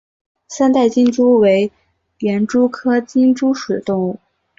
三带金蛛为园蛛科金蛛属的动物。